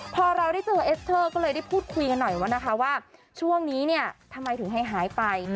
พอเราได้เจอเอสเตอร์ก็เลยได้พูดคุยกันหน่อยว่านะคะว่าช่วงนี้เนี่ยทำไมถึงให้หายไป